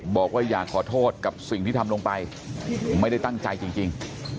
บอกว่าอยากขอโทษกับสิ่งที่ทำลงไปไม่ได้ตั้งใจจริง